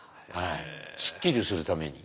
スッキリするために。